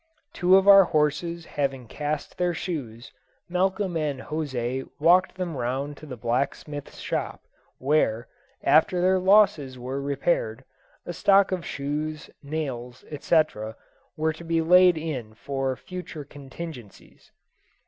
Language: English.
Two of our horses having cast their shoes, Malcolm and José walked them round to the blacksmith's shop, where, after their losses were repaired, a stock of shoes, nails, etc., were to be laid in for future contingencies.